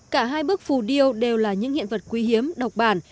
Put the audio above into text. cả hai bức phù điêu đều là những hiện vật quý hiếm độc bản